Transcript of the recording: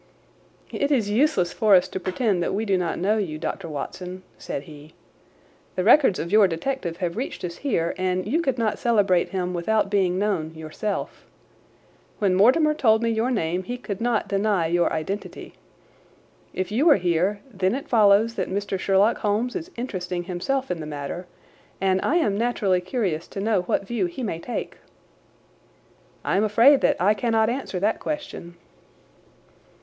"It is useless for us to pretend that we do not know you, Dr. Watson," said he. "The records of your detective have reached us here, and you could not celebrate him without being known yourself. When Mortimer told me your name he could not deny your identity. If you are here, then it follows that Mr. Sherlock Holmes is interesting himself in the matter, and I am naturally curious to know what view he may take." "I am afraid that I cannot answer that question."